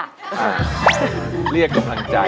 เรียกกำลังใจ